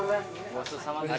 ごちそうさまでした。